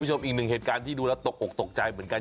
คุณผู้ชมอีกหนึ่งเหตุการณ์ที่ดูแล้วตกอกตกใจเหมือนกัน